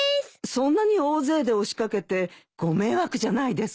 そんなに大勢で押し掛けてご迷惑じゃないですか？